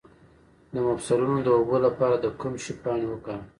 د مفصلونو د اوبو لپاره د کوم شي پاڼې وکاروم؟